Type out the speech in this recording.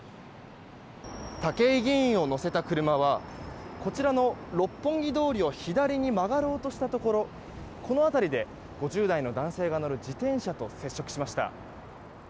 武井議員を乗せた車はこちらの六本木通りを左に曲がろうとしたところこの辺りで、５０代の男性が乗る自転車と接触しました。